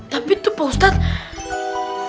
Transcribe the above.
tapi tuh pak ustadz